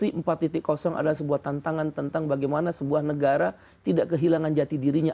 di empat adalah sebuah tantangan tentang bagaimana sebuah negara tidak kehilangan jati dirinya